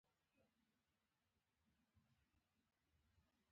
ورزش کول د هډوکو کمزوري له منځه وړي.